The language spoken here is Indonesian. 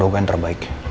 duga yang terbaik